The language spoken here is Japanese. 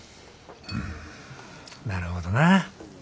うんなるほどなぁ。